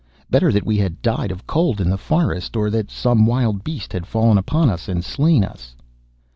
Better that we had died of cold in the forest, or that some wild beast had fallen upon us and slain us.